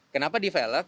kenapa di velg